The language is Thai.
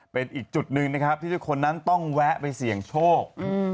เป็นอีกจุดหนึ่งนะครับที่ทุกคนนั้นต้องแวะไปเสี่ยงโชค